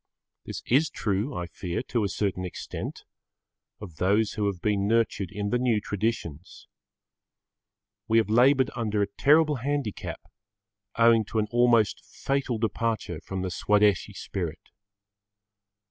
This is true, I fear, to a certain extent, of those who have been nurtured in the new traditions. We have laboured under a terrible handicap owing to an almost fatal departure from the Swadeshi spirit.